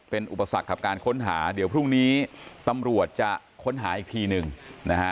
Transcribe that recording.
เป็นอุปสรรคกับการค้นหาเดี๋ยวพรุ่งนี้ตำรวจจะค้นหาอีกทีหนึ่งนะฮะ